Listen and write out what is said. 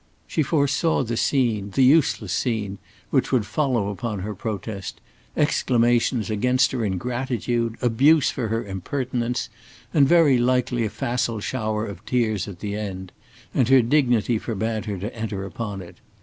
She foresaw the scene, the useless scene, which would follow upon her protest, exclamations against her ingratitude, abuse for her impertinence, and very likely a facile shower of tears at the end; and her dignity forbade her to enter upon it.